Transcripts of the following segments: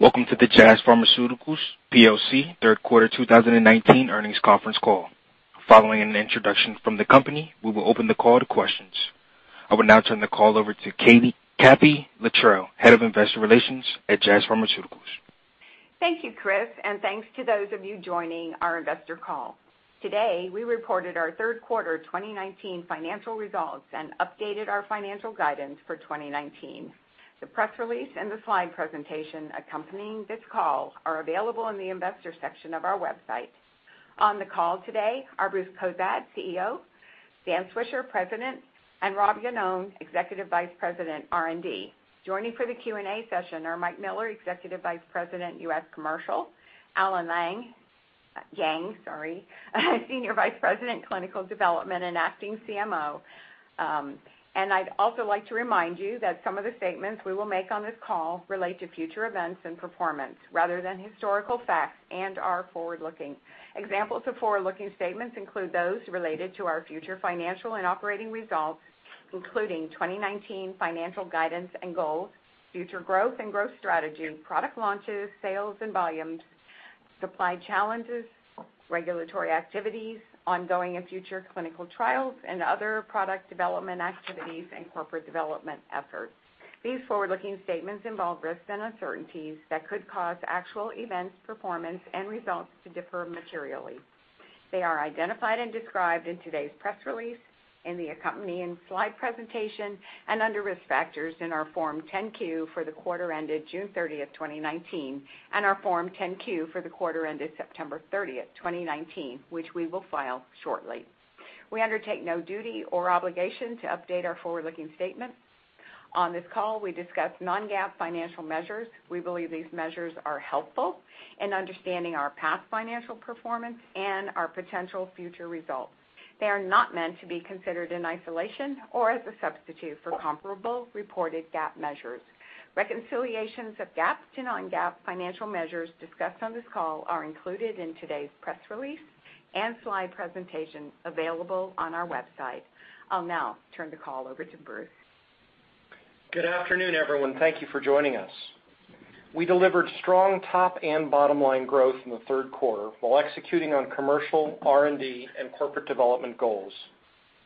Welcome to the Jazz Pharmaceuticals Plc third quarter 2019 earnings conference call. Following an introduction from the company, we will open the call to questions. I will now turn the call over to Kathee Littrell, Head of Investor Relations at Jazz Pharmaceuticals. Thank you, Chris, and thanks to those of you joining our investor call. Today, we reported our third quarter 2019 financial results and updated our financial guidance for 2019. The press release and the slide presentation accompanying this call are available in the investor section of our website. On the call today are Bruce Cozadd, CEO, Dan Swisher, President, and Rob Iannone, Executive Vice President, R&D. Joining for the Q&A session are Mike Miller, Executive Vice President, U.S. Commercial, Allen Yang, Senior Vice President, Clinical Development and Acting CMO. I'd also like to remind you that some of the statements we will make on this call relate to future events and performance rather than historical facts and are forward-looking. Examples of forward-looking statements include those related to our future financial and operating results, including 2019 financial guidance and goals, future growth and growth strategy, product launches, sales and volumes, supply challenges, regulatory activities, ongoing and future clinical trials, and other product development activities and corporate development efforts. These forward-looking statements involve risks and uncertainties that could cause actual events, performance and results to differ materially. They are identified and described in today's press release, in the accompanying slide presentation, and under Risk Factors in our Form 10-Q for the quarter ended June 30, 2019, and our Form 10-Q for the quarter ended September 30, 2019, which we will file shortly. We undertake no duty or obligation to update our forward-looking statements. On this call, we discuss non-GAAP financial measures. We believe these measures are helpful in understanding our past financial performance and our potential future results. They are not meant to be considered in isolation or as a substitute for comparable reported GAAP measures. Reconciliations of GAAP to non-GAAP financial measures discussed on this call are included in today's press release and slide presentation available on our website. I'll now turn the call over to Bruce. Good afternoon, everyone. Thank you for joining us. We delivered strong top and bottom line growth in the third quarter while executing on commercial, R&D, and corporate development goals.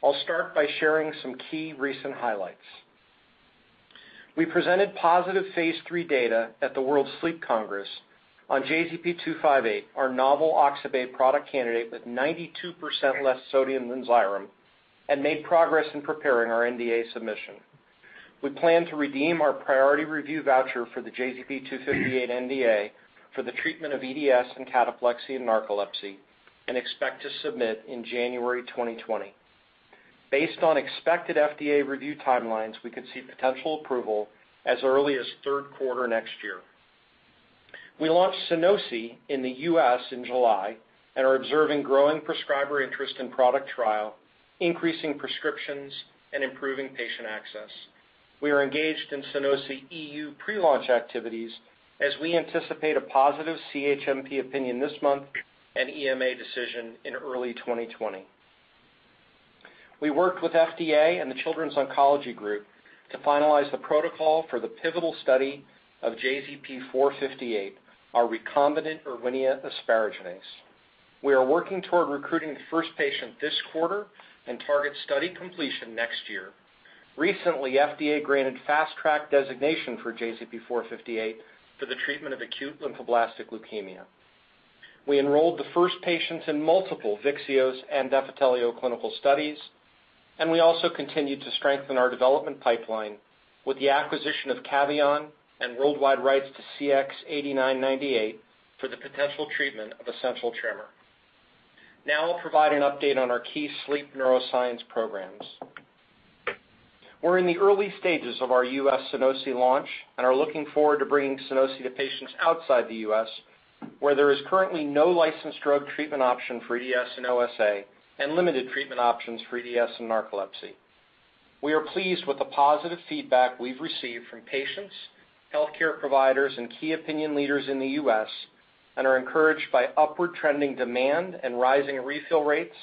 I'll start by sharing some key recent highlights. We presented positive phase III data at the World Sleep Congress on JZP-258, our novel oxybate product candidate with 92% less sodium than XYREM, and made progress in preparing our NDA submission. We plan to redeem our priority review voucher for the JZP-258 NDA for the treatment of EDS and cataplexy and narcolepsy and expect to submit in January 2020. Based on expected FDA review timelines, we could see potential approval as early as third quarter next year. We launched Sunosi in the U.S. in July and are observing growing prescriber interest in product trial, increasing prescriptions, and improving patient access. We are engaged in Sunosi EU pre-launch activities as we anticipate a positive CHMP opinion this month and EMA decision in early 2020. We worked with FDA and the Children's Oncology Group to finalize the protocol for the pivotal study of JZP-458, our recombinant Erwinia asparaginase. We are working toward recruiting the first patient this quarter and target study completion next year. Recently, FDA granted Fast Track designation for JZP-458 for the treatment of acute lymphoblastic leukemia. We enrolled the first patients in multiple VYXEOS and Defitelio clinical studies, and we also continued to strengthen our development pipeline with the acquisition of Cavion and worldwide rights to CX-8998 for the potential treatment of essential tremor. Now I'll provide an update on our key sleep neuroscience programs. We're in the early stages of our U.S. Sunosi launch and are looking forward to bringing Sunosi to patients outside the U.S., where there is currently no licensed drug treatment option for EDS and OSA and limited treatment options for EDS and narcolepsy. We are pleased with the positive feedback we've received from patients, healthcare providers, and key opinion leaders in the U.S. and are encouraged by upward trending demand and rising refill rates,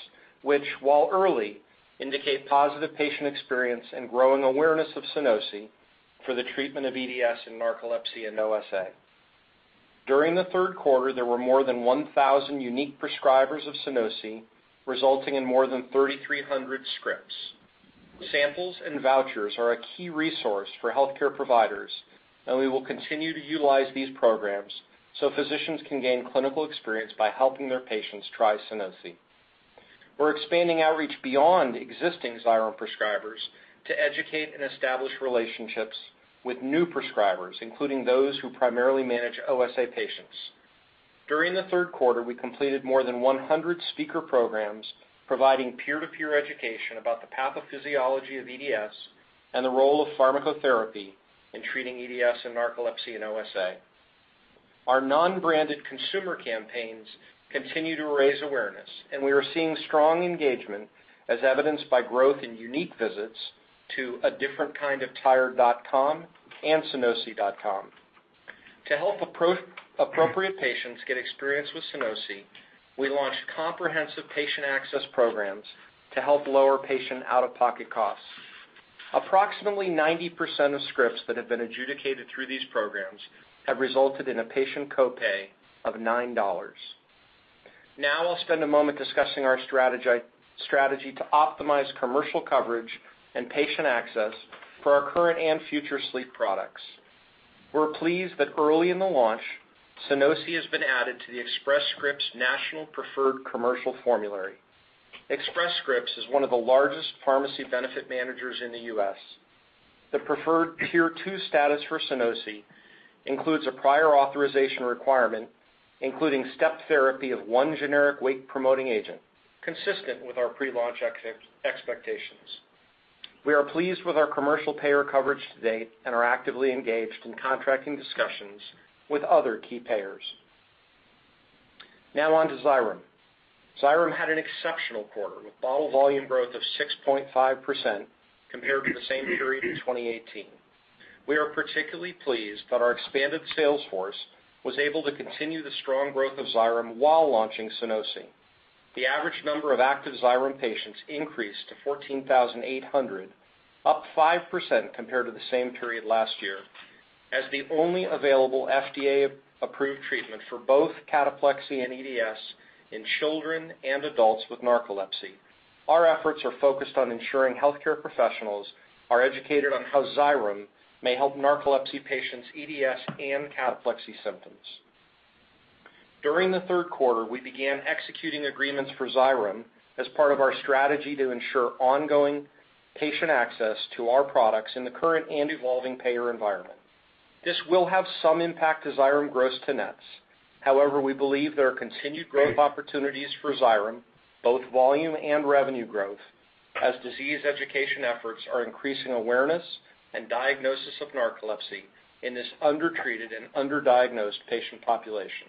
which while early, indicate positive patient experience and growing awareness of Sunosi for the treatment of EDS and narcolepsy and OSA. During the third quarter, there were more than 1,000 unique prescribers of Sunosi, resulting in more than 3,300 scripts. Samples and vouchers are a key resource for healthcare providers, and we will continue to utilize these programs so physicians can gain clinical experience by helping their patients try Sunosi. We're expanding outreach beyond existing XYREM prescribers to educate and establish relationships with new prescribers, including those who primarily manage OSA patients. During the third quarter, we completed more than 100 speaker programs providing peer-to-peer education about the pathophysiology of EDS and the role of pharmacotherapy in treating EDS and narcolepsy and OSA. Our non-branded consumer campaigns continue to raise awareness, and we are seeing strong engagement as evidenced by growth in unique visits to adifferentkindoftired.com and sunosi.com. To help appropriate patients get experience with Sunosi, we launched comprehensive patient access programs to help lower patient out-of-pocket costs. Approximately 90% of scripts that have been adjudicated through these programs have resulted in a patient co-pay of $9. Now I'll spend a moment discussing our strategy to optimize commercial coverage and patient access for our current and future sleep products. We're pleased that early in the launch, Sunosi has been added to the Express Scripts National Preferred Formulary. Express Scripts is one of the largest pharmacy benefit managers in the U.S. The preferred Tier two status for Sunosi includes a prior authorization requirement, including step therapy of one generic wake-promoting agent, consistent with our pre-launch expectations. We are pleased with our commercial payer coverage to date and are actively engaged in contracting discussions with other key payers. Now on to XYREM. XYREM had an exceptional quarter, with bottle volume growth of 6.5% compared to the same period in 2018. We are particularly pleased that our expanded sales force was able to continue the strong growth of Xyrem while launching Sunosi. The average number of active XYREM patients increased to 14,800, up 5% compared to the same period last year. As the only available FDA-approved treatment for both cataplexy and EDS in children and adults with narcolepsy, our efforts are focused on ensuring healthcare professionals are educated on how XYREM may help narcolepsy patients' EDS and cataplexy symptoms. During the third quarter, we began executing agreements for XYREM as part of our strategy to ensure ongoing patient access to our products in the current and evolving payer environment. This will have some impact to XYREM gross to nets. However, we believe there are continued growth opportunities for XYREM, both volume and revenue growth, as disease education efforts are increasing awareness and diagnosis of narcolepsy in this undertreated and underdiagnosed patient population.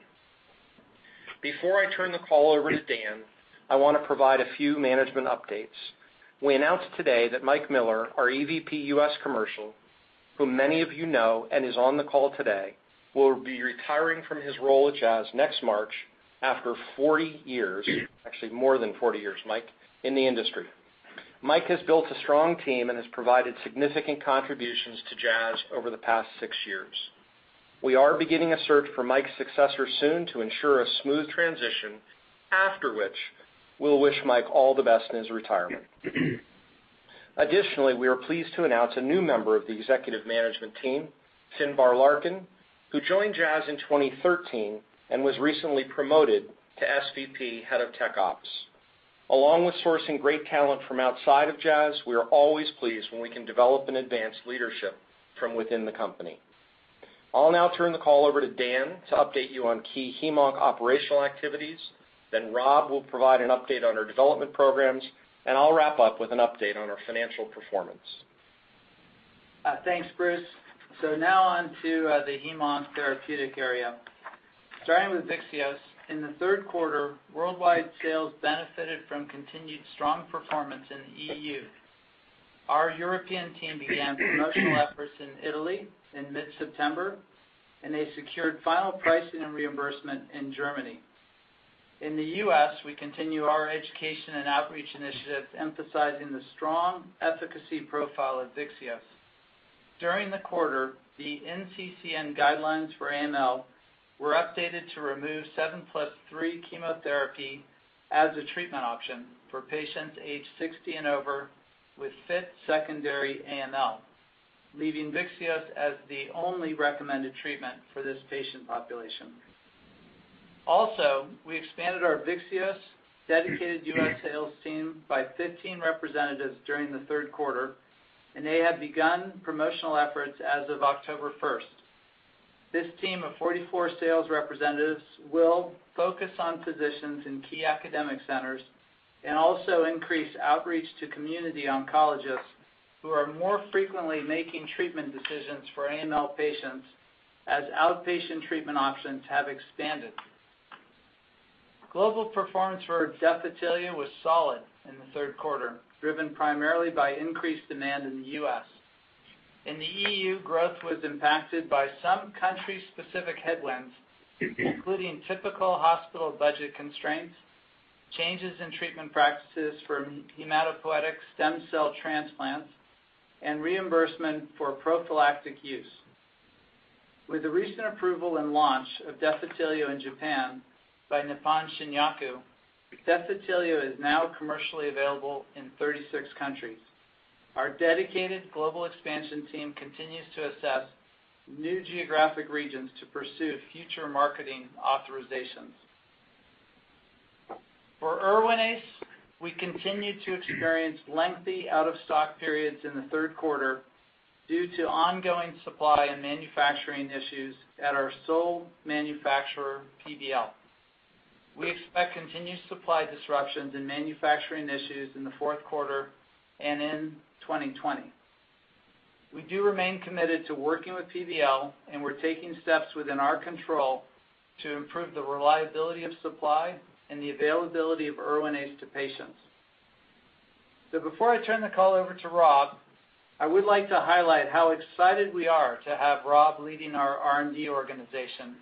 Before I turn the call over to Dan, I wanna provide a few management updates. We announced today that Mike Miller, our EVP, U.S. Commercial, who many of you know and is on the call today, will be retiring from his role at Jazz next March after 40 years, actually more than 40 years, Mike, in the industry. Mike has built a strong team and has provided significant contributions to Jazz over the past six years. We are beginning a search for Mike's successor soon to ensure a smooth transition, after which we'll wish Mike all the best in his retirement. Additionally, we are pleased to announce a new member of the executive management team, Finbar Larkin, who joined Jazz in 2013 and was recently promoted to SVP, Head of Tech Ops. Along with sourcing great talent from outside of Jazz, we are always pleased when we can develop and advance leadership from within the company. I'll now turn the call over to Dan to update you on key hem-onc operational activities. Rob will provide an update on our development programs, and I'll wrap up with an update on our financial performance. Thanks, Bruce. Now on to the hematology-oncology therapeutic area. Starting with VYXEOS, in the third quarter, worldwide sales benefited from continued strong performance in the EU. Our European team began promotional efforts in Italy in mid-September, and they secured final pricing and reimbursement in Germany. In the US, we continue our education and outreach initiatives, emphasizing the strong efficacy profile of VYXEOS. During the quarter, the NCCN guidelines for AML were updated to remove 7+3 chemotherapy as a treatment option for patients aged 60 and over with fit secondary AML, leaving VYXEOS as the only recommended treatment for this patient population. Also, we expanded our VYXEOS dedicated US sales team by 15 representatives during the third quarter, and they have begun promotional efforts as of October 1. This team of 44 sales representatives will focus on physicians in key academic centers and also increase outreach to community oncologists who are more frequently making treatment decisions for AML patients as outpatient treatment options have expanded. Global performance for Defitelio was solid in the third quarter, driven primarily by increased demand in the U.S. In the E.U., growth was impacted by some country-specific headwinds, including typical hospital budget constraints, changes in treatment practices for hematopoietic stem cell transplants, and reimbursement for prophylactic use. With the recent approval and launch of Defitelio in Japan by Nippon Shinyaku, Defitelio is now commercially available in 36 countries. Our dedicated global expansion team continues to assess new geographic regions to pursue future marketing authorizations. For Erwinaze, we continued to experience lengthy out-of-stock periods in the third quarter due to ongoing supply and manufacturing issues at our sole manufacturer, PBL. We expect continued supply disruptions and manufacturing issues in the fourth quarter and in 2020. We do remain committed to working with PBL, and we're taking steps within our control to improve the reliability of supply and the availability of Erwinaze to patients. Before I turn the call over to Rob, I would like to highlight how excited we are to have Rob leading our R&D organization.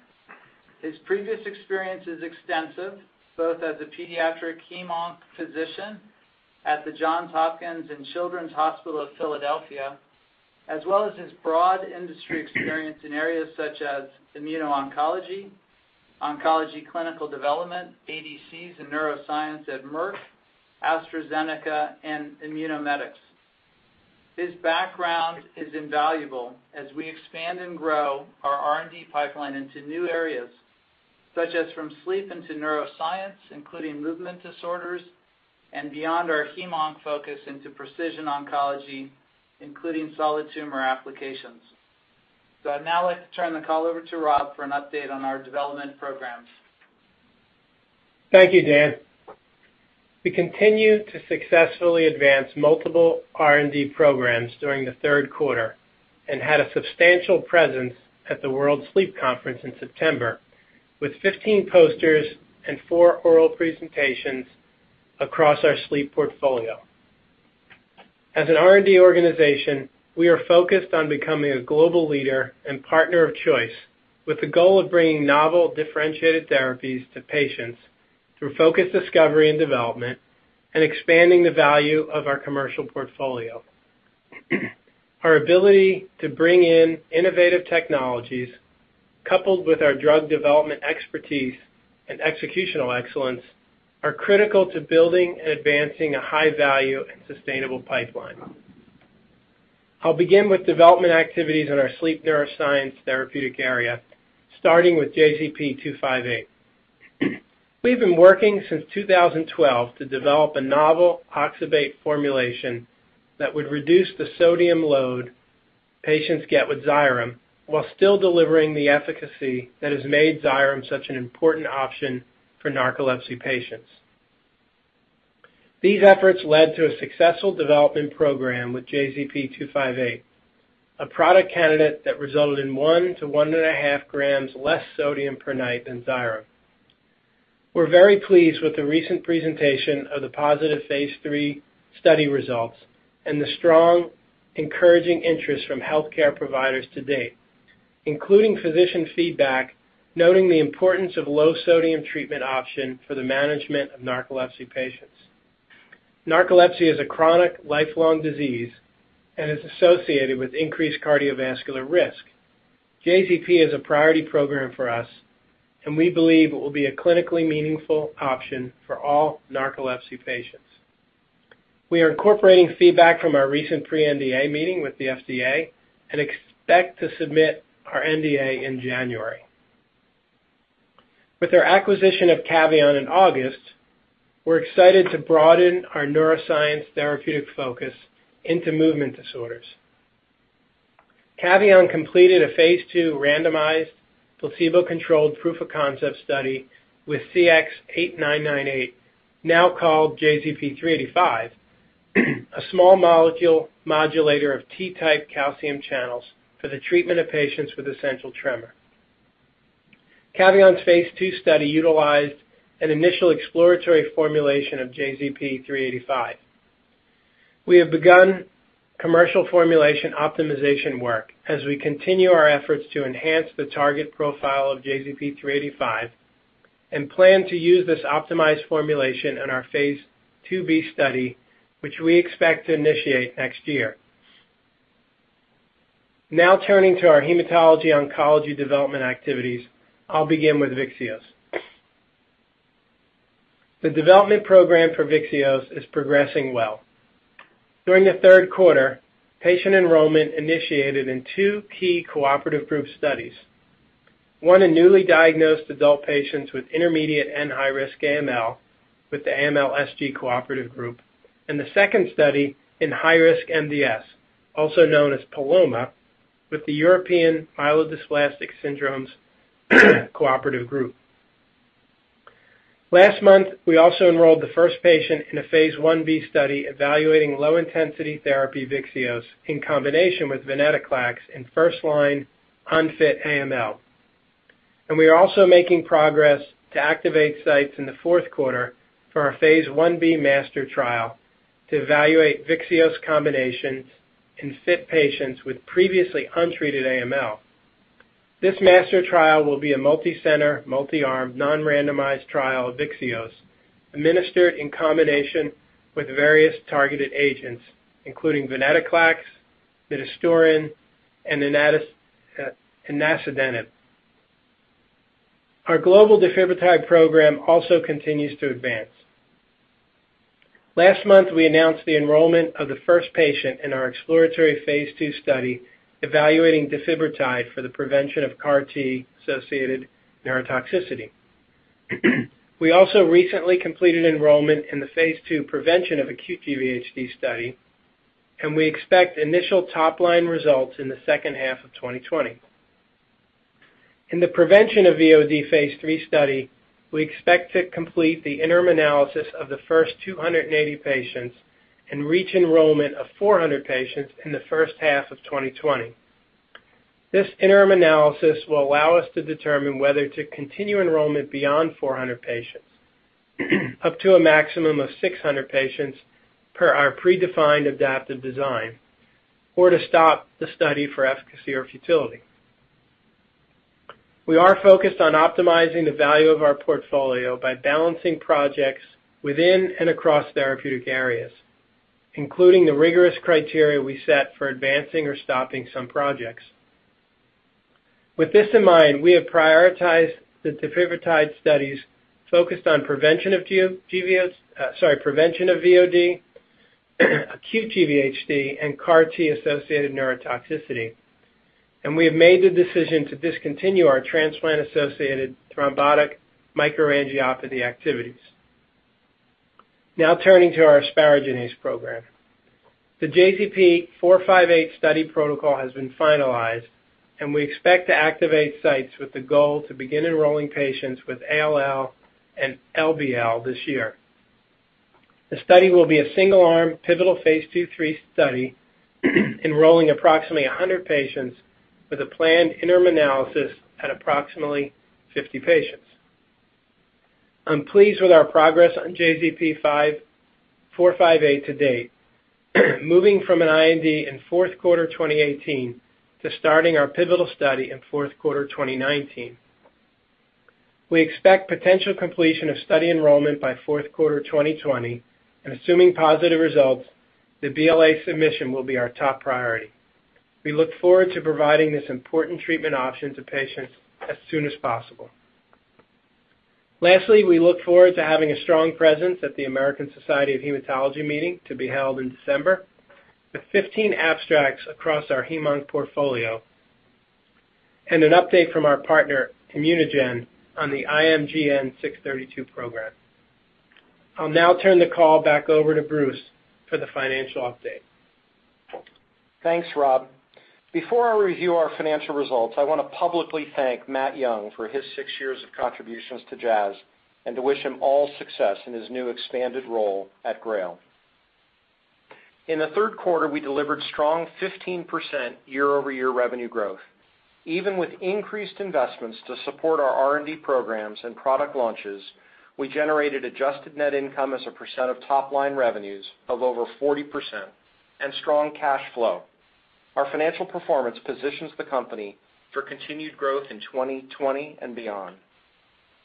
His previous experience is extensive, both as a pediatric hem-onc physician at the Johns Hopkins and Children's Hospital of Philadelphia, as well as his broad industry experience in areas such as immuno-oncology, oncology clinical development, ADCs, and neuroscience at Merck, AstraZeneca, and Immunomedics. His background is invaluable as we expand and grow our R&D pipeline into new areas, such as from sleep into neuroscience, including movement disorders, and beyond our hem-onc focus into precision oncology, including solid tumor applications. I'd now like to turn the call over to Rob for an update on our development programs. Thank you, Dan. We continued to successfully advance multiple R&D programs during the third quarter and had a substantial presence at the World Sleep Congress in September with 15 posters and four oral presentations across our sleep portfolio. As an R&D organization, we are focused on becoming a global leader and partner of choice with the goal of bringing novel, differentiated therapies to patients through focused discovery and development and expanding the value of our commercial portfolio. Our ability to bring in innovative technologies coupled with our drug development expertise and executional excellence are critical to building and advancing a high-value and sustainable pipeline. I'll begin with development activities in our sleep neuroscience therapeutic area, starting with JZP-258. We've been working since 2012 to develop a novel oxybate formulation that would reduce the sodium load patients get with XYREM while still delivering the efficacy that has made XYREM such an important option for narcolepsy patients. These efforts led to a successful development program with JZP-258, a product candidate that resulted in 1-1.5 grams less sodium per night than XYREM. We're very pleased with the recent presentation of the positive phase III study results and the strong, encouraging interest from healthcare providers to date, including physician feedback, noting the importance of low sodium treatment option for the management of narcolepsy patients. Narcolepsy is a chronic, lifelong disease and is associated with increased cardiovascular risk. JZP is a priority program for us, and we believe it will be a clinically meaningful option for all narcolepsy patients. We are incorporating feedback from our recent pre-NDA meeting with the FDA and expect to submit our NDA in January. With our acquisition of Cavion in August, we're excited to broaden our neuroscience therapeutic focus into movement disorders. Cavion completed a phase II randomized placebo-controlled proof of concept study with CX-8998, now called JZP-385, a small molecule modulator of T-type calcium channels for the treatment of patients with essential tremor. Cavion's phase II study utilized an initial exploratory formulation of JZP-385. We have begun commercial formulation optimization work as we continue our efforts to enhance the target profile of JZP-385 and plan to use this optimized formulation in our phase II-B study, which we expect to initiate next year. Now turning to our hematology-oncology development activities, I'll begin with VYXEOS. The development program for VYXEOS is progressing well. During the third quarter, patient enrollment initiated in two key cooperative group studies, one in newly diagnosed adult patients with intermediate and high-risk AML with the AMLSG cooperative group, and the second study in high-risk MDS, also known as PALOMA, with the European Myelodysplastic Neoplasms Cooperative Group. Last month, we also enrolled the first patient in a phase I-B study evaluating low-intensity therapy VYXEOS in combination with venetoclax in first-line unfit AML. We are also making progress to activate sites in the fourth quarter for our phase I-B master trial to evaluate VYXEOS combinations in fit patients with previously untreated AML. This master trial will be a multicenter, multi-arm, non-randomized trial of VYXEOS administered in combination with various targeted agents, including venetoclax, midostaurin, and enasidenib. Our global defibrotide program also continues to advance. Last month, we announced the enrollment of the first patient in our exploratory phase II study evaluating defibrotide for the prevention of CAR T-associated neurotoxicity. We also recently completed enrollment in the phase II prevention of acute GVHD study, and we expect initial top-line results in the second half of 2020. In the prevention of VOD phase III study, we expect to complete the interim analysis of the first 280 patients and reach enrollment of 400 patients in the first half of 2020. This interim analysis will allow us to determine whether to continue enrollment beyond 400 patients up to a maximum of 600 patients per our predefined adaptive design or to stop the study for efficacy or futility. We are focused on optimizing the value of our portfolio by balancing projects within and across therapeutic areas, including the rigorous criteria we set for advancing or stopping some projects. With this in mind, we have prioritized the defibrotide studies focused on prevention of VOD, acute GVHD, and CAR T-associated neurotoxicity, and we have made the decision to discontinue our transplant-associated thrombotic microangiopathy activities. Now turning to our asparaginase program. The JZP-458 study protocol has been finalized, and we expect to activate sites with the goal to begin enrolling patients with ALL and LBL this year. The study will be a single-arm pivotal phase II/III study enrolling approximately 100 patients with a planned interim analysis at approximately 50 patients. I'm pleased with our progress on JZP-458 to date, moving from an IND in fourth quarter 2018 to starting our pivotal study in fourth quarter 2019. We expect potential completion of study enrollment by fourth quarter 2020, and assuming positive results, the BLA submission will be our top priority. We look forward to providing this important treatment option to patients as soon as possible. Lastly, we look forward to having a strong presence at the American Society of Hematology meeting to be held in December, with 15 abstracts across our hem-onc portfolio and an update from our partner, ImmunoGen, on the IMGN632 program. I'll now turn the call back over to Bruce for the financial update. Thanks, Rob. Before I review our financial results, I wanna publicly thank Matthew Young for his six years of contributions to Jazz and to wish him all success in his new expanded role at Grail. In the third quarter, we delivered strong 15% year-over-year revenue growth. Even with increased investments to support our R&D programs and product launches, we generated adjusted net income as a percent of top line revenues of over 40% and strong cash flow. Our financial performance positions the company for continued growth in 2020 and beyond.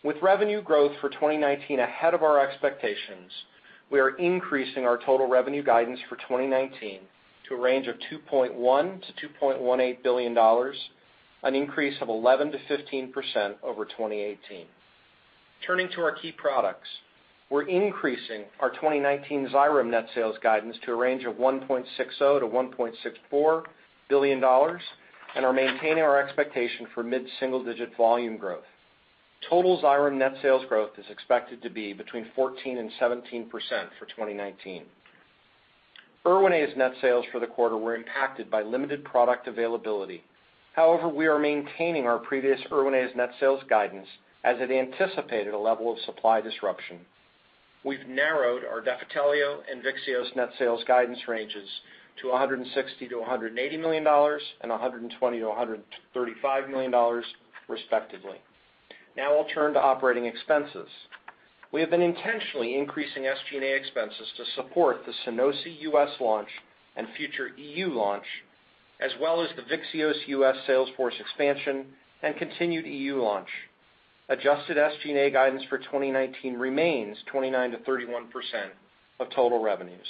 With revenue growth for 2019 ahead of our expectations, we are increasing our total revenue guidance for 2019 to a range of $2.1 billion-$2.18 billion, an increase of 11%-15% over 2018. Turning to our key products, we're increasing our 2019 XYREM net sales guidance to a range of $1.60 billion-$1.64 billion and are maintaining our expectation for mid-single-digit volume growth. Total XYREM net sales growth is expected to be between 14%-17% for 2019. Erwinaze net sales for the quarter were impacted by limited product availability. However, we are maintaining our previous Erwinaze net sales guidance as it anticipated a level of supply disruption. We've narrowed our Defitelio and VYXEOS net sales guidance ranges to $160 million-$180 million and $120 million-$135 million respectively. Now I'll turn to operating expenses. We have been intentionally increasing SG&A expenses to support the Sunosi U.S. launch and future EU launch, as well as the VYXEOS U.S. Sales force expansion and continued EU launch. Adjusted SG&A guidance for 2019 remains 29%-31% of total revenues.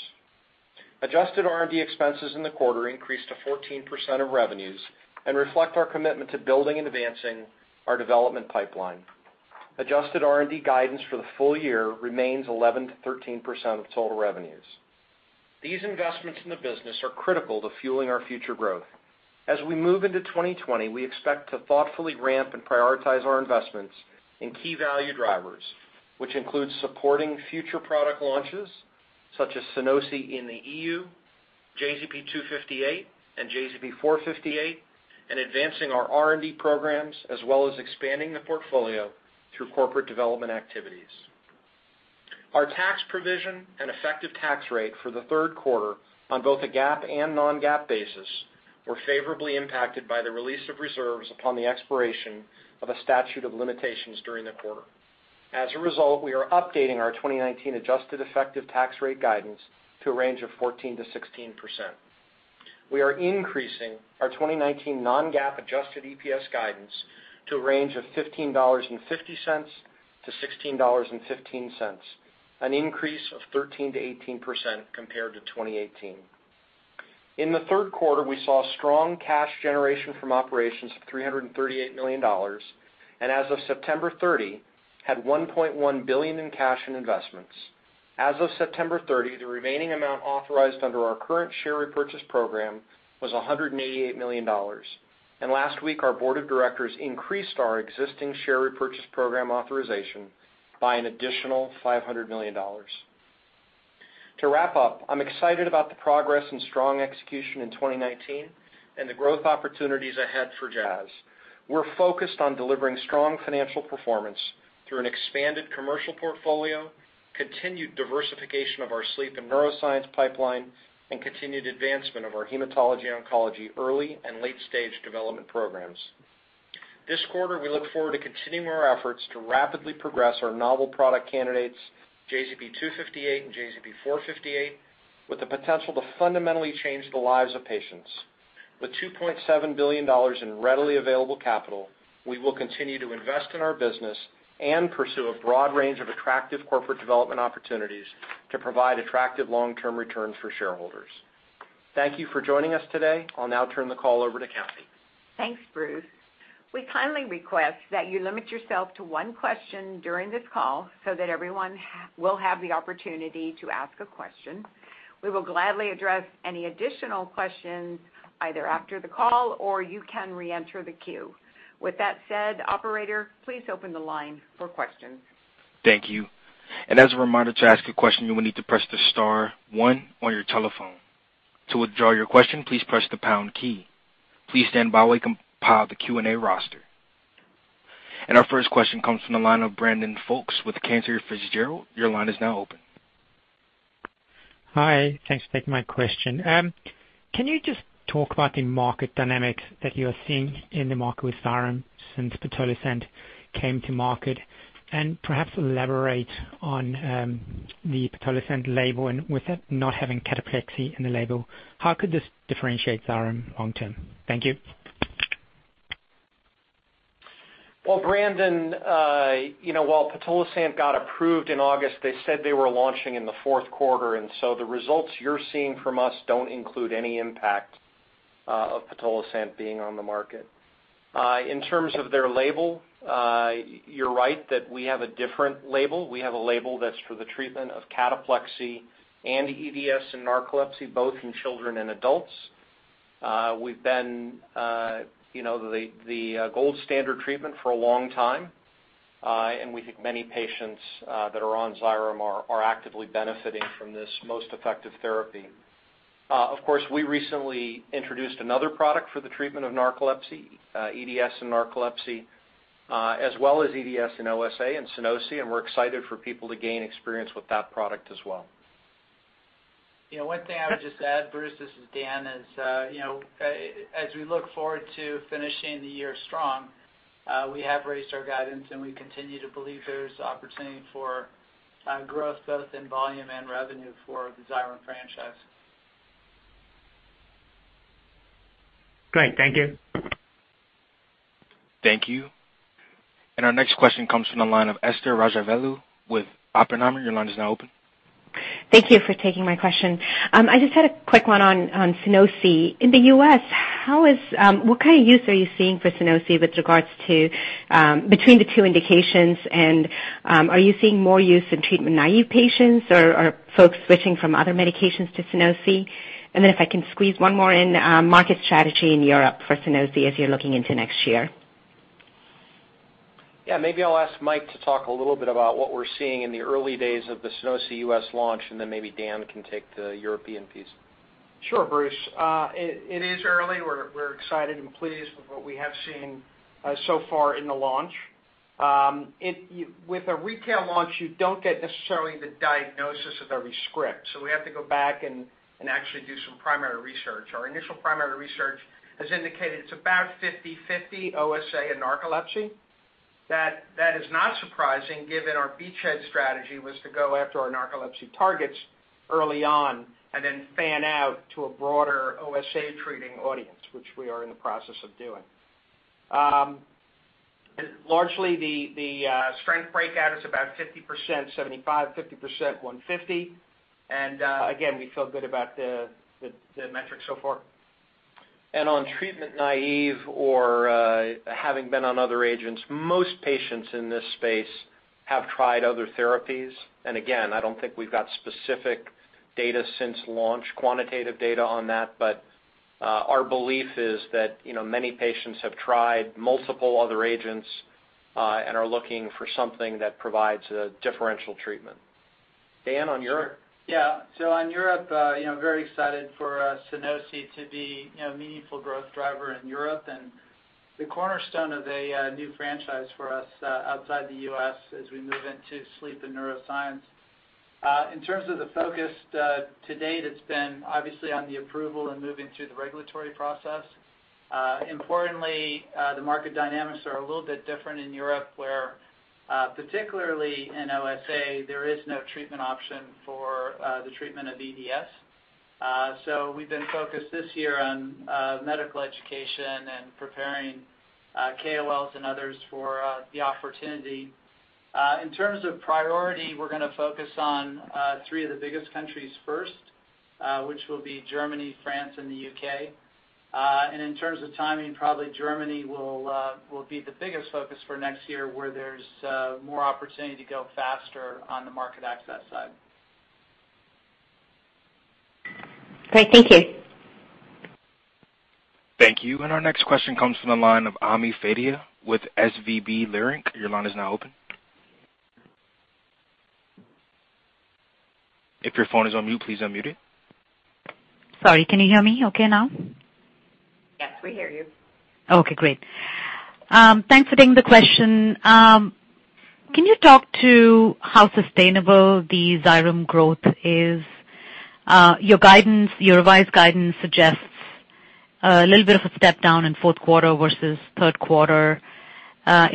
Adjusted R&D expenses in the quarter increased to 14% of revenues and reflect our commitment to building and advancing our development pipeline. Adjusted R&D guidance for the full year remains 11%-13% of total revenues. These investments in the business are critical to fueling our future growth. As we move into 2020, we expect to thoughtfully ramp and prioritize our investments in key value drivers, which includes supporting future product launches, such as Sunosi in the EU, JZP-258 and JZP-458, and advancing our R&D programs, as well as expanding the portfolio through corporate development activities. Our tax provision and effective tax rate for the third quarter on both a GAAP and non-GAAP basis were favorably impacted by the release of reserves upon the expiration of a statute of limitations during the quarter. As a result, we are updating our 2019 adjusted effective tax rate guidance to a range of 14%-16%. We are increasing our 2019 non-GAAP adjusted EPS guidance to a range of $15.50-$16.15, an increase of 13%-18% compared to 2018. In the third quarter, we saw strong cash generation from operations of $338 million, and as of September 30, had $1.1 billion in cash and investments. As of September 30, the remaining amount authorized under our current share repurchase program was $188 million, and last week, our board of directors increased our existing share repurchase program authorization by an additional $500 million. To wrap up, I'm excited about the progress and strong execution in 2019 and the growth opportunities ahead for Jazz. We're focused on delivering strong financial performance through an expanded commercial portfolio, continued diversification of our sleep and neuroscience pipeline, and continued advancement of our hematology oncology early and late-stage development programs. This quarter, we look forward to continuing our efforts to rapidly progress our novel product candidates, JZP-258 and JZP-458, with the potential to fundamentally change the lives of patients. With $2.7 billion in readily available capital, we will continue to invest in our business and pursue a broad range of attractive corporate development opportunities to provide attractive long-term returns for shareholders. Thank you for joining us today. I'll now turn the call over to Kathee. Thanks, Bruce. We kindly request that you limit yourself to one question during this call so that everyone will have the opportunity to ask a question. We will gladly address any additional questions either after the call or you can reenter the queue. With that said, operator, please open the line for questions. Thank you. As a reminder, to ask a question, you will need to press the star one on your telephone. To withdraw your question, please press the pound key. Please stand by while we compile the Q&A roster. Our first question comes from the line of Brandon Folkes with Cantor Fitzgerald. Your line is now open. Hi. Thanks for taking my question. Can you just talk about the market dynamics that you're seeing in the market with XYREM since pitolisant came to market? Perhaps elaborate on the pitolisant label, and with it not having cataplexy in the label, how could this differentiate XYREM long term? Thank you. Well, Brandon, you know, while pitolisant got approved in August, they said they were launching in the fourth quarter, and so the results you're seeing from us don't include any impact of pitolisant being on the market. In terms of their label, you're right that we have a different label. We have a label that's for the treatment of cataplexy and EDS and narcolepsy, both in children and adults. We've been, you know, the gold standard treatment for a long time, and we think many patients that are on XYREM are actively benefiting from this most effective therapy. Of course, we recently introduced another product for the treatment of narcolepsy, EDS and narcolepsy, as well as EDS and OSA in Sunosi, and we're excited for people to gain experience with that product as well. You know, one thing I would just add, Bruce, this is Dan, as we look forward to finishing the year strong, we have raised our guidance, and we continue to believe there's opportunity for growth both in volume and revenue for the XYREM franchise. Great. Thank you. Thank you. Our next question comes from the line of Esther Rajavelu with Oppenheimer. Your line is now open. Thank you for taking my question. I just had a quick one on Sunosi. In the U.S., how is what kind of use are you seeing for Sunosi with regards to between the two indications? Are you seeing more use in treatment-naive patients, or are folks switching from other medications to Sunosi? If I can squeeze one more in, market strategy in Europe for Sunosi as you're looking into next year. Yeah, maybe I'll ask Mike to talk a little bit about what we're seeing in the early days of the Sunosi U.S. launch, and then maybe Dan can take the European piece. Sure, Bruce. It is early. We're excited and pleased with what we have seen so far in the launch. With a retail launch, you don't get necessarily the diagnosis of every script, so we have to go back and actually do some primary research. Our initial primary research has indicated it's about 50/50 OSA and narcolepsy. That is not surprising given our beachhead strategy was to go after our narcolepsy targets early on and then fan out to a broader OSA treating audience, which we are in the process of doing. Largely the strength breakout is about 50% 75, 50% 150. Again, we feel good about the metrics so far. On treatment naive or having been on other agents, most patients in this space have tried other therapies. Again, I don't think we've got specific data since launch, quantitative data on that. Our belief is that, you know, many patients have tried multiple other agents and are looking for something that provides a differential treatment. Dan, on Europe? Yeah. On Europe, you know, very excited for, Sunosi to be, you know, a meaningful growth driver in Europe and the cornerstone of a, new franchise for us, outside the U.S. as we move into sleep and neuroscience. In terms of the focus, to date, it's been obviously on the approval and moving through the regulatory process. Importantly, the market dynamics are a little bit different in Europe, where, particularly in OSA, there is no treatment option for, the treatment of EDS. We've been focused this year on, medical education and preparing, KOLs and others for, the opportunity. In terms of priority, we're gonna focus on, three of the biggest countries first, which will be Germany, France, and the U.K. In terms of timing, probably Germany will be the biggest focus for next year, where there's more opportunity to go faster on the market access side. Great. Thank you. Thank you. Our next question comes from the line of Ami Fadia with SVB Leerink. Your line is now open. If your phone is on mute, please unmute it. Sorry, can you hear me okay now? Yes, we hear you. Okay, great. Thanks for taking the question. Can you talk to how sustainable the XYREM growth is? Your guidance, your revised guidance suggests a little bit of a step down in fourth quarter versus third quarter.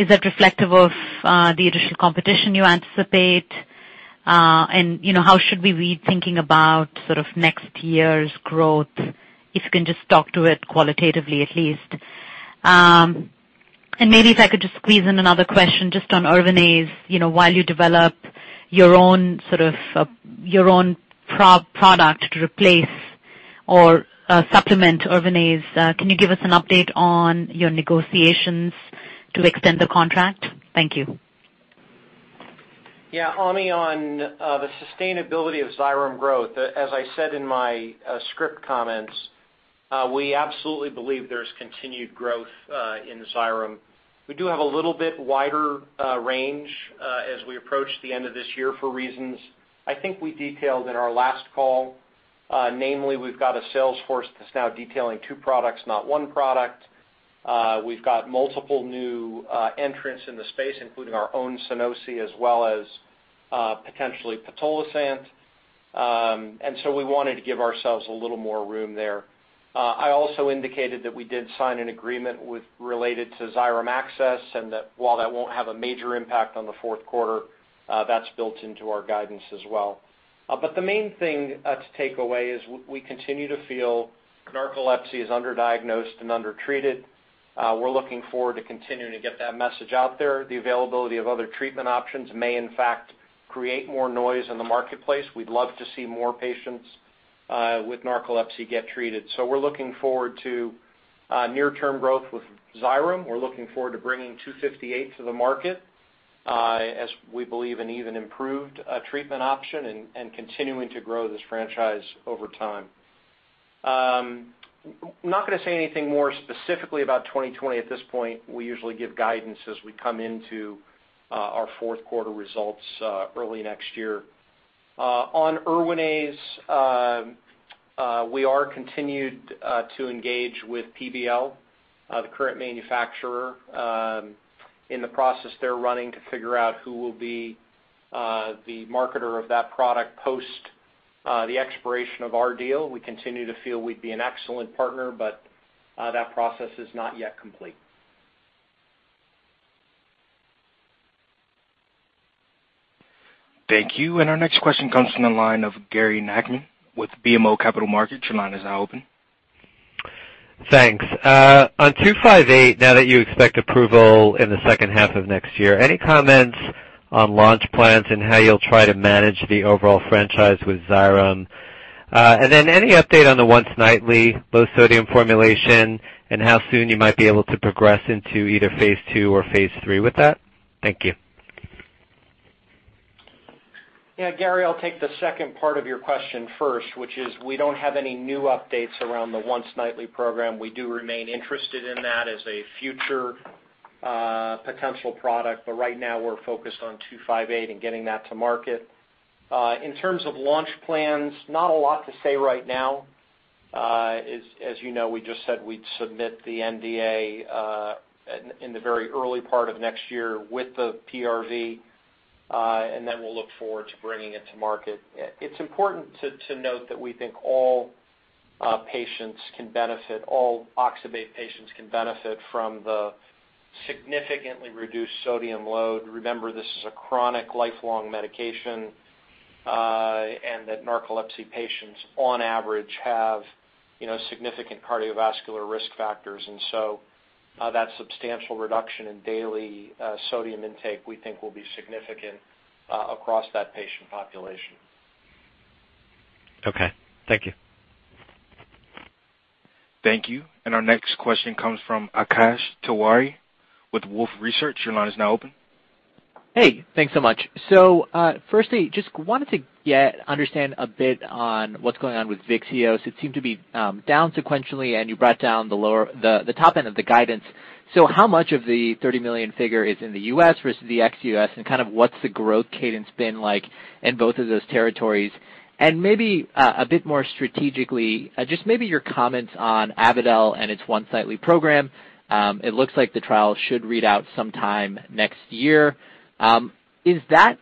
Is that reflective of the additional competition you anticipate? You know, how should we be thinking about sort of next year's growth, if you can just talk to it qualitatively at least. Maybe if I could just squeeze in another question just on Erwinaze. You know, while you develop your own sort of, your own proprietary product to replace or supplement Erwinaze, can you give us an update on your negotiations to extend the contract? Thank you. Yeah, Ami, on the sustainability of XYREM growth, as I said in my script comments, we absolutely believe there's continued growth in XYREM. We do have a little bit wider range as we approach the end of this year for reasons I think we detailed in our last call. Namely, we've got a sales force that's now detailing two products, not one product. We've got multiple new entrants in the space, including our own Sunosi, as well as potentially pitolisant. We wanted to give ourselves a little more room there. I also indicated that we did sign an agreement with related to XYREM access, and that while that won't have a major impact on the fourth quarter, that's built into our guidance as well. The main thing to take away is we continue to feel narcolepsy is underdiagnosed and undertreated. We're looking forward to continuing to get that message out there. The availability of other treatment options may in fact create more noise in the marketplace. We'd love to see more patients with narcolepsy get treated. We're looking forward to near-term growth with XYREM. We're looking forward to bringing 258 to the market as we believe an even improved treatment option and continuing to grow this franchise over time. I'm not gonna say anything more specifically about 2020 at this point. We usually give guidance as we come into our fourth quarter results early next year. On Erwinaze, we continue to engage with PBL, the current manufacturer, in the process they're running to figure out who will be the marketer of that product post the expiration of our deal. We continue to feel we'd be an excellent partner, but that process is not yet complete. Thank you. Our next question comes from the line of Gary Nachman with BMO Capital Markets. Your line is now open. Thanks. On JZP-258, now that you expect approval in the second half of next year, any comments on launch plans and how you'll try to manage the overall franchise with XYREM? Any update on the once-nightly low sodium formulation and how soon you might be able to progress into either phase II or phase III with that? Thank you. Yeah, Gary, I'll take the second part of your question first, which is we don't have any new updates around the once-nightly program. We do remain interested in that as a future potential product, but right now we're focused on JZP-258 and getting that to market. In terms of launch plans, not a lot to say right now. As you know, we just said we'd submit the NDA in the very early part of next year with the PRV, and then we'll look forward to bringing it to market. It's important to note that we think all patients can benefit, all oxybate patients can benefit from the significantly reduced sodium load. Remember, this is a chronic lifelong medication, and that narcolepsy patients on average have, you know, significant cardiovascular risk factors. That substantial reduction in daily sodium intake, we think will be significant across that patient population. Okay. Thank you. Thank you. Our next question comes from Akash Tewari with Wolfe Research. Your line is now open. Hey, thanks so much. Firstly, just wanted to understand a bit on what's going on with VYXEOS. It seemed to be down sequentially, and you brought down the lower, the top end of the guidance. How much of the $30 million figure is in the U.S. versus the ex-U.S.? And kind of what's the growth cadence been like in both of those territories? And maybe a bit more strategically, just maybe your comments on Avadel and its once-nightly program. It looks like the trial should read out sometime next year. Is that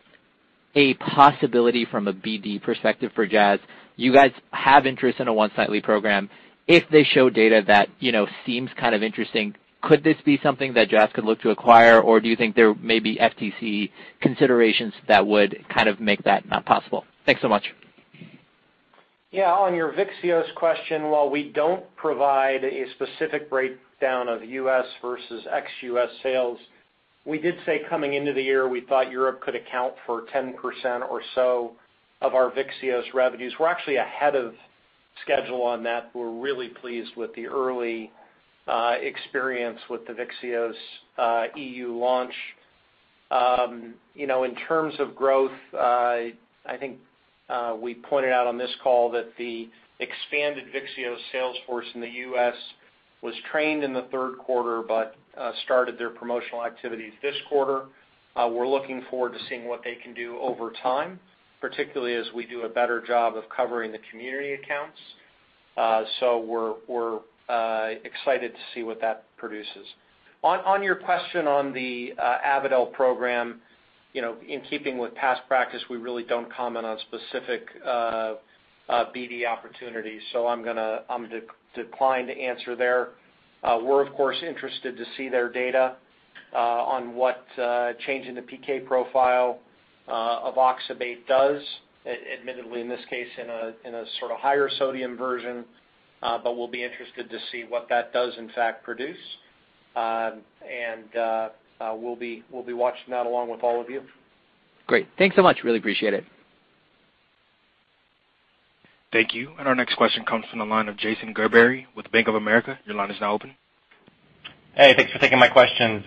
a possibility from a BD perspective for Jazz? You guys have interest in a once-nightly program. If they show data that, you know, seems kind of interesting, could this be something that Jazz could look to acquire, or do you think there may be FTC considerations that would kind of make that not possible? Thanks so much. Yeah. On your VYXEOS question, while we don't provide a specific breakdown of U.S. versus ex-U.S. sales, we did say coming into the year, we thought Europe could account for 10% or so of our VYXEOS revenues. We're actually ahead of schedule on that. We're really pleased with the early experience with the VYXEOS E.U. launch. You know, in terms of growth, I think we pointed out on this call that the expanded VYXEOS sales force in the U.S. was trained in the third quarter, but started their promotional activities this quarter. We're looking forward to seeing what they can do over time, particularly as we do a better job of covering the community accounts. We're excited to see what that produces. On your question on the Avadel program, you know, in keeping with past practice, we really don't comment on specific BD opportunities. I decline to answer there. We're of course interested to see their data on what change in the PK profile of oxybate does, admittedly, in this case, in a sort of higher sodium version. But we'll be interested to see what that does in fact produce. We'll be watching that along with all of you. Great. Thanks so much. Really appreciate it. Thank you. Our next question comes from the line of Jason Gerberry with Bank of America. Your line is now open. Hey, thanks for taking my questions.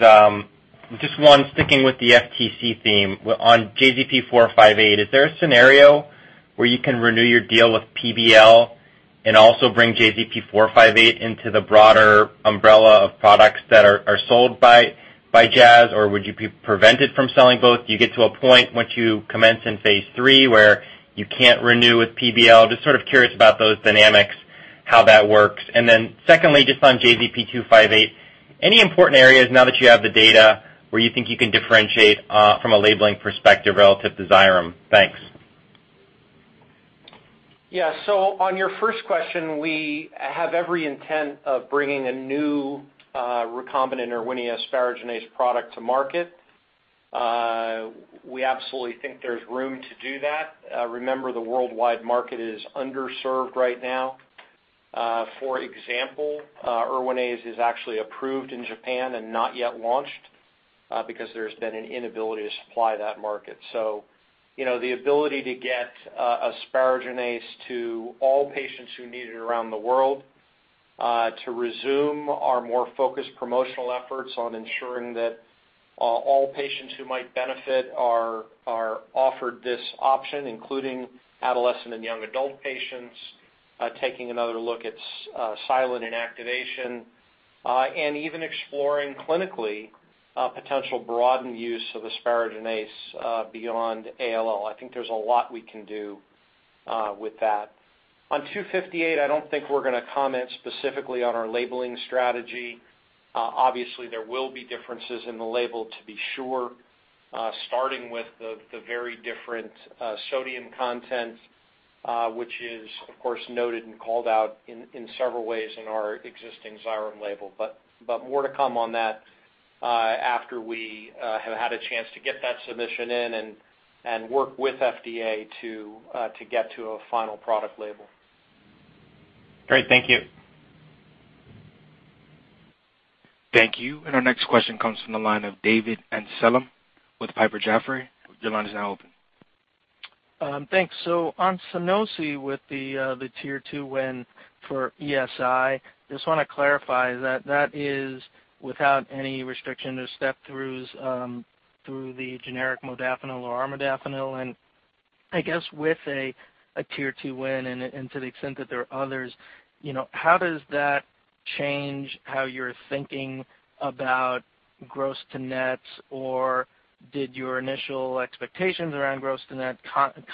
Just one, sticking with the FTC theme. On JZP-458, is there a scenario where you can renew your deal with PBL and also bring JZP-458 into the broader umbrella of products that are sold by Jazz? Or would you be prevented from selling both? Do you get to a point once you commence in phase III where you can't renew with PBL? Just sort of curious about those dynamics, how that works. Secondly, just on JZP-258, any important areas now that you have the data where you think you can differentiate from a labeling perspective relative to XYREM? Thanks. Yeah. On your first question, we have every intent of bringing a new recombinant Erwinia asparaginase product to market. We absolutely think there's room to do that. Remember the worldwide market is underserved right now. For example, Erwinase is actually approved in Japan and not yet launched because there's been an inability to supply that market. You know, the ability to get asparaginase to all patients who need it around the world, to resume our more focused promotional efforts on ensuring that all patients who might benefit are offered this option, including adolescent and young adult patients, taking another look at silent inactivation, and even exploring clinically potential broadened use of asparaginase beyond ALL. I think there's a lot we can do with that. On 258, I don't think we're gonna comment specifically on our labeling strategy. Obviously there will be differences in the label to be sure, starting with the very different sodium content, which is of course noted and called out in several ways in our existing XYREM label. But more to come on that, after we have had a chance to get that submission in and work with FDA to get to a final product label. Great. Thank you. Thank you. Our next question comes from the line of David Amsellem with Piper Jaffray. Your line is now open. Thanks. On Sunosi with the tier two win for ESI, just wanna clarify that that is without any restriction or step-throughs through the generic modafinil or armodafinil. I guess with a tier two win and to the extent that there are others, you know, how does that change how you're thinking about gross to nets, or did your initial expectations around gross to net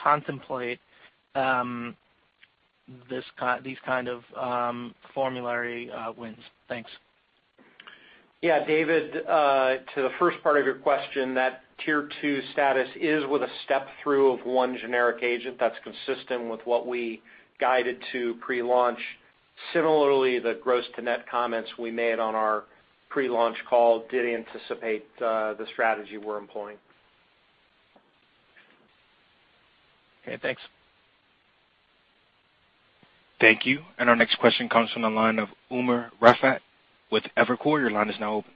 contemplate these kind of formulary wins? Thanks. Yeah, David, to the first part of your question, that tier two status is with a step-through of one generic agent that's consistent with what we guided to pre-launch. Similarly, the gross to net comments we made on our pre-launch call did anticipate the strategy we're employing. Okay, thanks. Thank you. Our next question comes from the line of Umer Raffat with Evercore. Your line is now open.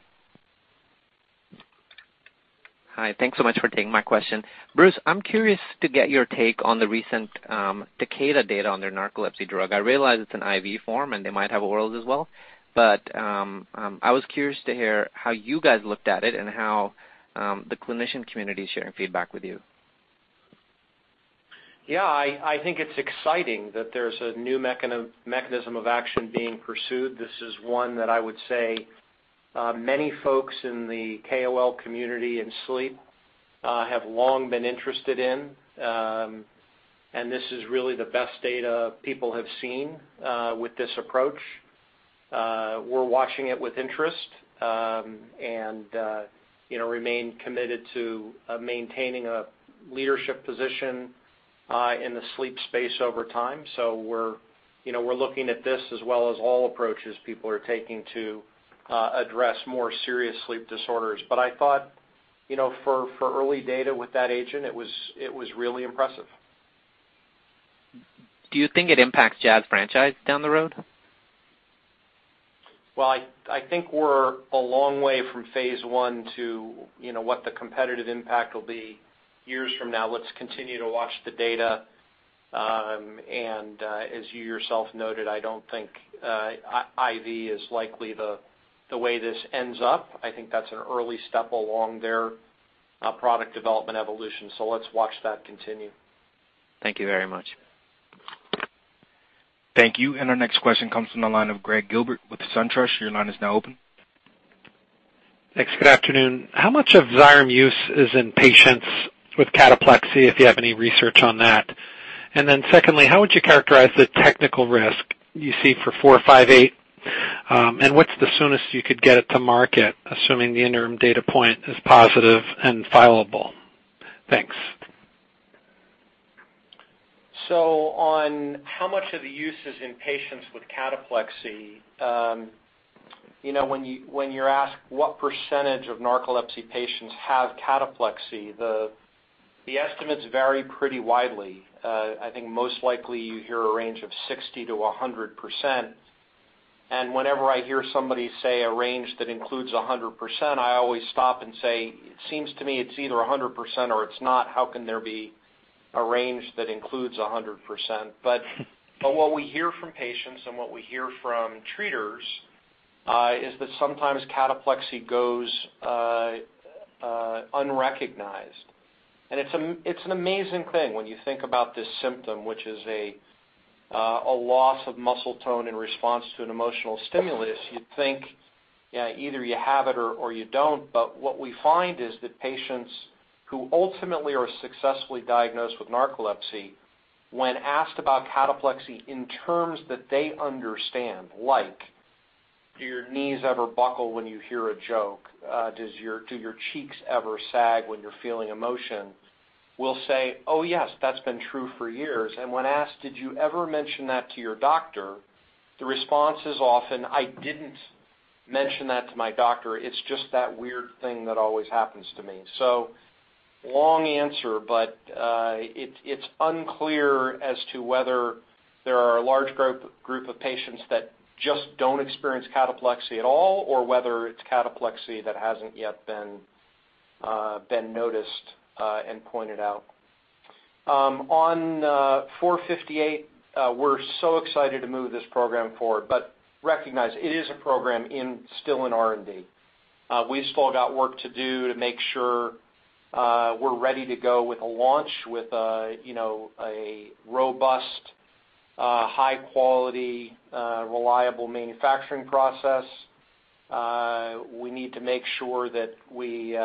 Hi. Thanks so much for taking my question. Bruce, I'm curious to get your take on the recent Takeda data on their narcolepsy drug. I realize it's an IV form, and they might have orals as well, but I was curious to hear how you guys looked at it and how the clinician community is sharing feedback with you. Yeah, I think it's exciting that there's a new mechanism of action being pursued. This is one that I would say many folks in the KOL community in sleep have long been interested in. This is really the best data people have seen with this approach. We're watching it with interest. You know, remain committed to maintaining a leadership position in the sleep space over time. We're looking at this as well as all approaches people are taking to address more serious sleep disorders. I thought, you know, for early data with that agent, it was really impressive. Do you think it impacts Jazz franchise down the road? I think we're a long way from phase I to, you know, what the competitive impact will be years from now. Let's continue to watch the data. As you yourself noted, I don't think IV is likely the way this ends up. I think that's an early step along their product development evolution. Let's watch that continue. Thank you very much. Thank you. Our next question comes from the line of Gregg Gilbert with SunTrust. Your line is now open. Thanks. Good afternoon. How much of XYREM use is in patients with cataplexy, if you have any research on that? Secondly, how would you characterize the technical risk you see for 458? And what's the soonest you could get it to market, assuming the interim data point is positive and fileable? Thanks. On how much of the use is in patients with cataplexy, you know, when you're asked what percentage of narcolepsy patients have cataplexy, the estimates vary pretty widely. I think most likely you hear a range of 60%-100%. Whenever I hear somebody say a range that includes 100%, I always stop and say, "It seems to me it's either 100% or it's not. How can there be a range that includes 100%?" What we hear from patients and what we hear from treaters is that sometimes cataplexy goes unrecognized. It's an amazing thing when you think about this symptom, which is a loss of muscle tone in response to an emotional stimulus. You'd think, yeah, either you have it or you don't. What we find is that patients who ultimately are successfully diagnosed with narcolepsy, when asked about cataplexy in terms that they understand, like, do your knees ever buckle when you hear a joke? Does your cheeks ever sag when you're feeling emotion? Will say, "Oh, yes, that's been true for years." When asked, did you ever mention that to your doctor? The response is often, "I didn't mention that to my doctor. It's just that weird thing that always happens to me." Long answer, it's unclear as to whether there are a large group of patients that just don't experience cataplexy at all, or whether it's cataplexy that hasn't yet been noticed and pointed out. On 458, we're so excited to move this program forward, but recognize it is a program still in R&D. We've still got work to do to make sure we're ready to go with a launch with a, you know, a robust, high quality, reliable manufacturing process. We need to make sure that we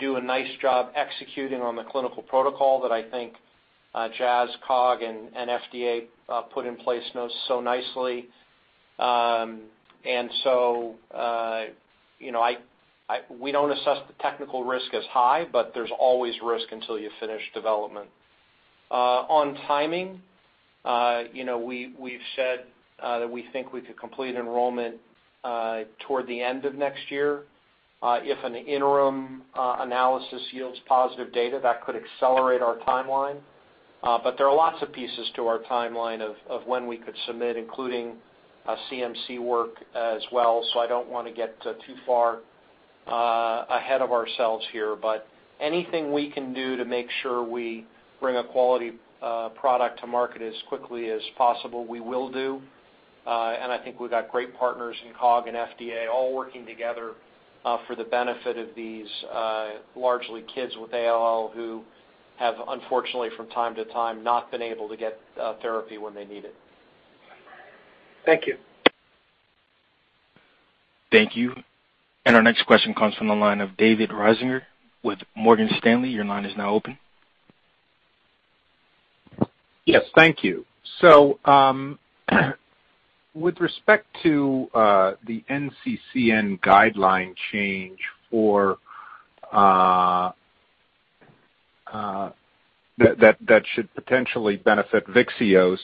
do a nice job executing on the clinical protocol that I think Jazz, COG, and FDA put in place so nicely. You know, we don't assess the technical risk as high, but there's always risk until you finish development. On timing, you know, we've said that we think we could complete enrollment toward the end of next year. If an interim analysis yields positive data, that could accelerate our timeline. There are lots of pieces to our timeline of when we could submit, including CMC work as well. I don't wanna get too far ahead of ourselves here. Anything we can do to make sure we bring a quality product to market as quickly as possible, we will do. I think we've got great partners in COG and FDA all working together for the benefit of these largely kids with ALL who have, unfortunately, from time to time, not been able to get therapy when they need it. Thank you. Thank you. Our next question comes from the line of David Risinger with Morgan Stanley. Your line is now open. Yes, thank you. With respect to the NCCN guideline change for that that should potentially benefit VYXEOS,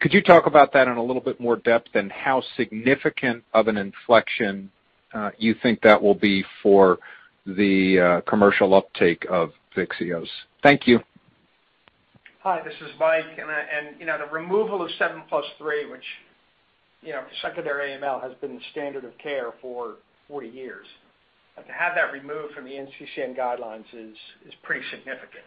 could you talk about that in a little bit more depth and how significant of an inflection you think that will be for the commercial uptake of VYXEOS? Thank you. Hi, this is Mike. You know, the removal of 7+3, which, you know, secondary AML has been the standard of care for 40 years. To have that removed from the NCCN guidelines is pretty significant.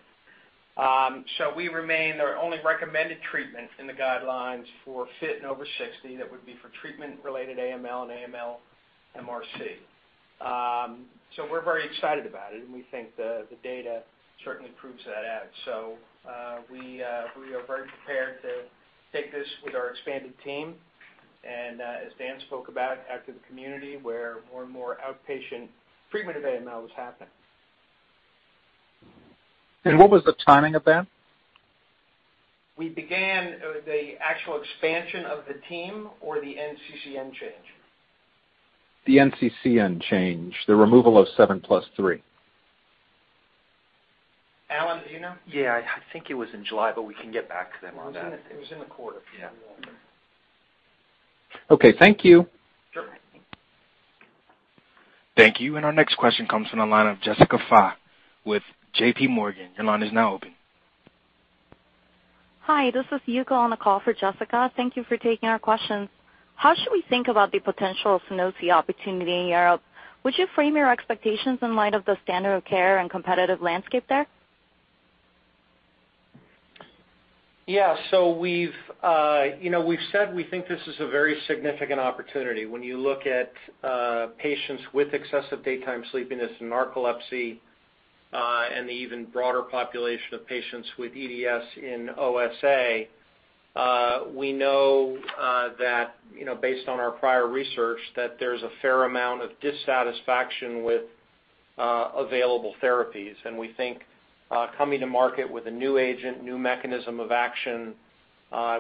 We remain the only recommended treatment in the guidelines for fit and over 60. That would be for treatment-related AML and AML-MRC. We're very excited about it, and we think the data certainly proves that out. We are very prepared to take this with our expanded team, and, as Dan spoke about, out to the community, where more and more outpatient treatment of AML is happening. What was the timing of that? We began the actual expansion of the team or the NCCN change? The NCCN change, the removal of 7+3. Allen, do you know? Yeah, I think it was in July, but we can get back to them on that. It was in the quarter. Yeah. Okay, thank you. Sure. Thank you. Our next question comes from the line of Jessica Fye with JPMorgan. Your line is now open. Hi, this is Yuko on the call for Jessica. Thank you for taking our questions. How should we think about the potential of Sunosi opportunity in Europe? Would you frame your expectations in light of the standard of care and competitive landscape there? Yeah. We've, you know, we've said we think this is a very significant opportunity. When you look at patients with excessive daytime sleepiness and narcolepsy, and the even broader population of patients with EDS in OSA, we know that, you know, based on our prior research, that there's a fair amount of dissatisfaction with available therapies. We think coming to market with a new agent, new mechanism of action,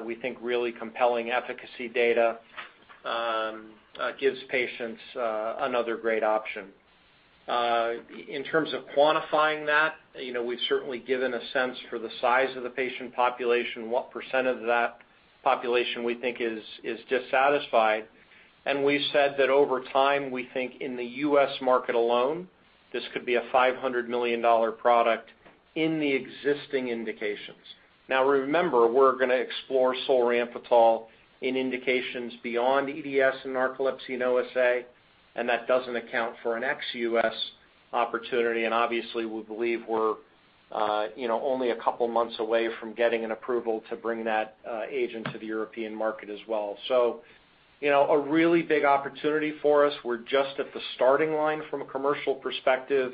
we think really compelling efficacy data gives patients another great option. In terms of quantifying that, you know, we've certainly given a sense for the size of the patient population, what percent of that population we think is dissatisfied. We said that over time, we think in the US market alone, this could be a $500 million product in the existing indications. Now remember, we're gonna explore solriamfetol in indications beyond EDS and narcolepsy and OSA, and that doesn't account for an ex-US opportunity. Obviously, we believe we're, you know, only a couple months away from getting an approval to bring that agent to the European market as well. You know, a really big opportunity for us. We're just at the starting line from a commercial perspective,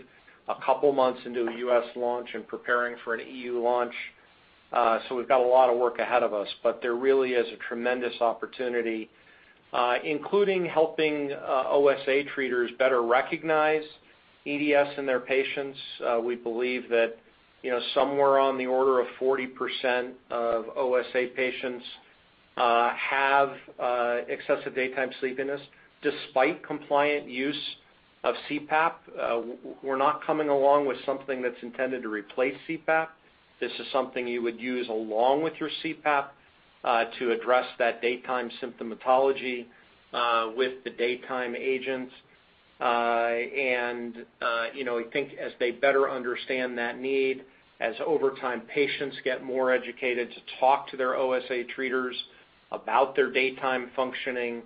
a couple months into a US launch and preparing for an EU launch. We've got a lot of work ahead of us, but there really is a tremendous opportunity, including helping OSA treaters better recognize EDS in their patients. We believe that, you know, somewhere on the order of 40% of OSA patients have excessive daytime sleepiness despite compliant use of CPAP. We're not coming along with something that's intended to replace CPAP. This is something you would use along with your CPAP to address that daytime symptomatology with the daytime agents. You know, we think as they better understand that need, as over time patients get more educated to talk to their OSA treaters about their daytime functioning,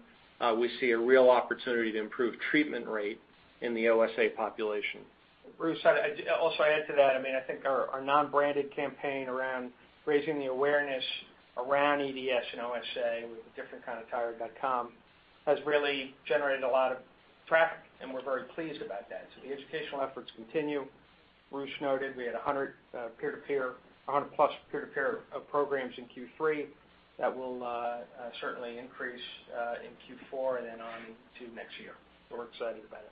we see a real opportunity to improve treatment rate in the OSA population. Bruce, also add to that, I mean, I think our non-branded campaign around raising the awareness around EDS and OSA with adifferentkindoftired.com has really generated a lot of traffic, and we're very pleased about that. The educational efforts continue. Bruce noted we had 100 plus peer-to-peer programs in Q3 that will certainly increase in Q4 and then on into next year. We're excited about it.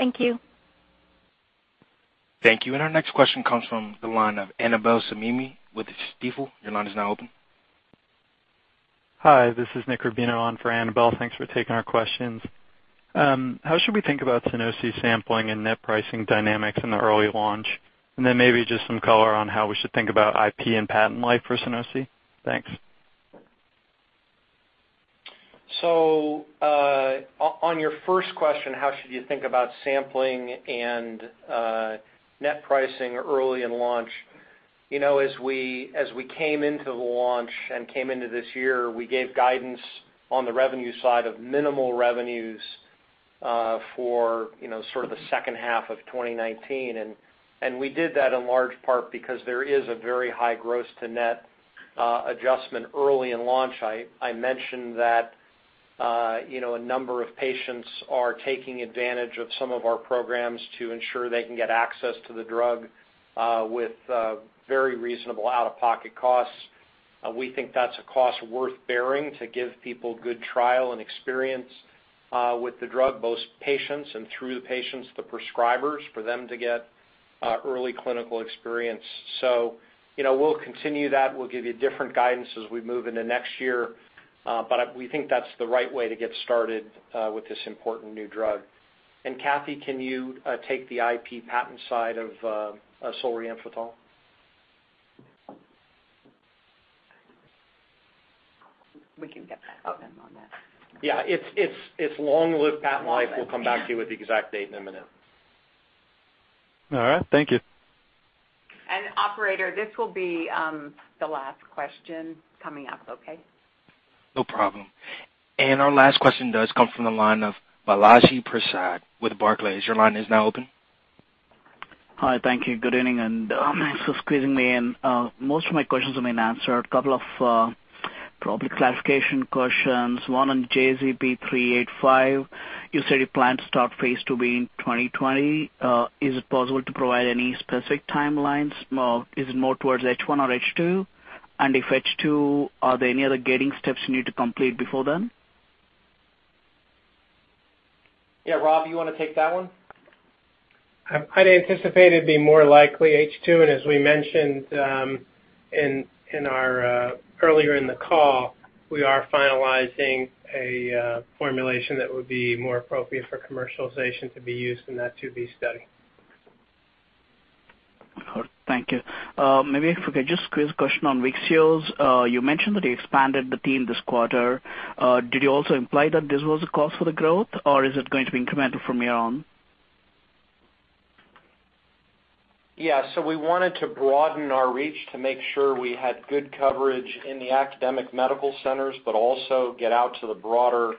Thank you. Thank you. Our next question comes from the line of Annabel Samimy with Stifel. Your line is now open. Hi, this is Nick Rubino on for Annabel. Thanks for taking our questions. How should we think about Sunosi sampling and net pricing dynamics in the early launch? Maybe just some color on how we should think about IP and patent life for Sunosi. Thanks. On your first question, how should you think about sampling and net pricing early in launch? You know, as we came into the launch and came into this year, we gave guidance on the revenue side of minimal revenues for you know, sort of the second half of 2019. We did that in large part because there is a very high gross to net adjustment early in launch. I mentioned that you know, a number of patients are taking advantage of some of our programs to ensure they can get access to the drug with very reasonable out-of-pocket costs. We think that's a cost worth bearing to give people good trial and experience with the drug, both patients and through the patients, the prescribers, for them to get early clinical experience. You know, we'll continue that. We'll give you different guidance as we move into next year, but we think that's the right way to get started with this important new drug. Kathee, can you take the IP patent side of solriamfetol? We can get back to them on that. Yeah, it's long live patent life. Long life, yeah. We'll come back to you with the exact date in a minute. All right. Thank you. Operator, this will be the last question coming up. Okay? No problem. Our last question does come from the line of Balaji Prasad with Barclays. Your line is now open. Hi. Thank you. Good evening, and thanks for squeezing me in. Most of my questions have been answered. A couple of probably clarification questions. One on JZP385. You said you plan to start phase II-B in 2020. Is it possible to provide any specific timelines, or is it more towards H1 or H2? If H2, are there any other gating steps you need to complete before then? Yeah. Rob, you wanna take that one? I'd anticipate it'd be more likely H2. As we mentioned earlier in the call, we are finalizing a formulation that would be more appropriate for commercialization to be used in that II-B study. All right. Thank you. Maybe if we could just squeeze a question on VYXEOS. You mentioned that you expanded the team this quarter. Did you also imply that this was a cause for the growth, or is it going to be incremental from here on? Yeah. We wanted to broaden our reach to make sure we had good coverage in the academic medical centers, but also get out to the broader,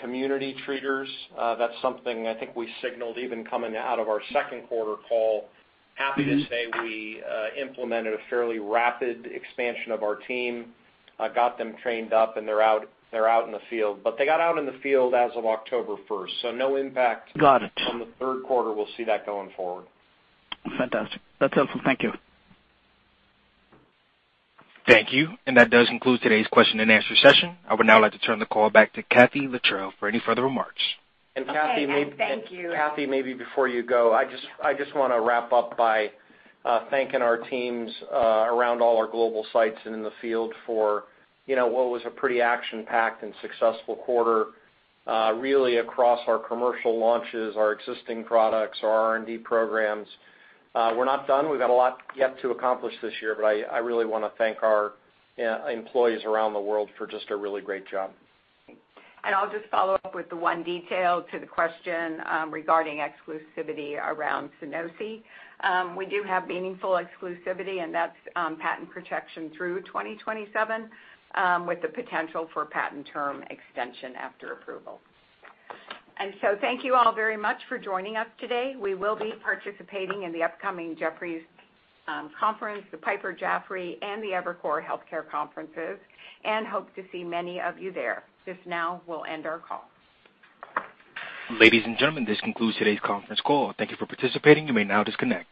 community treaters. That's something I think we signaled even coming out of our second quarter call. Mm-hmm. Happy to say we implemented a fairly rapid expansion of our team, got them trained up, and they're out in the field. They got out in the field as of October first, so no impact. Got it. On the third quarter. We'll see that going forward. Fantastic. That's helpful. Thank you. Thank you. That does conclude today's question and answer session. I would now like to turn the call back to Kathee Littrell for any further remarks. Okay. Thank you. Kathy, maybe before you go, I just wanna wrap up by thanking our teams around all our global sites and in the field for, you know, what was a pretty action-packed and successful quarter really across our commercial launches, our existing products, our R&D programs. We're not done. We've got a lot yet to accomplish this year, but I really wanna thank our employees around the world for just a really great job. I'll just follow up with the one detail to the question regarding exclusivity around Sunosi. We do have meaningful exclusivity, and that's patent protection through 2027 with the potential for patent term extension after approval. Thank you all very much for joining us today. We will be participating in the upcoming Jefferies conference, the Piper Jaffray, and the Evercore Healthcare conferences, and hope to see many of you there. Just now, we'll end our call. Ladies and gentlemen, this concludes today's conference call. Thank you for participating. You may now disconnect.